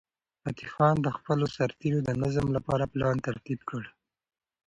فتح خان د خپلو سرتیرو د نظم لپاره پلان ترتیب کړ.